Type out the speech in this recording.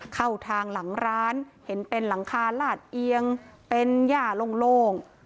เข้าทางหลังร้านเห็นเป็นหลังคาลาดเอียงเป็นย่าโล่ง